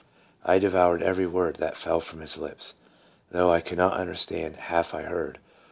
I devoured every word that fell from his lips, though I could not understand half I heard.